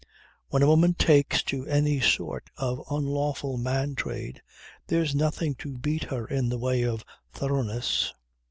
When a woman takes to any sort of unlawful man trade, there's nothing to beat her in the way of thoroughness.